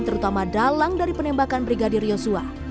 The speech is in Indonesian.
terutama dalang dari penembakan brigadir yosua